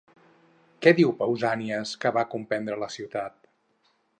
Què diu Pausànies que va comprendre la ciutat?